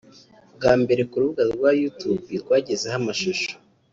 Bwa mbere ku rubuga rwa Youtube rwagezeho amashusho